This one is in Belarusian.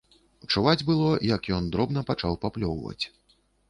Чуваць было, як ён дробна пачаў паплёўваць.